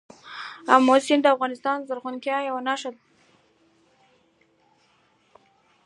آمو سیند د افغانستان د زرغونتیا یوه نښه ده.